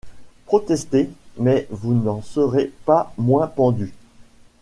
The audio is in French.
Protestez, mais vous n’en serez pas moins pendu!